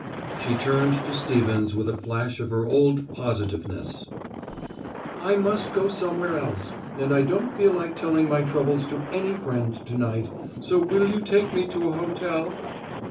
She turned to Stevens with a flash of her old positiveness. "I must go somewhere else. And I don't feel like telling my troubles to any friend to night. So will you take me to a hotel?"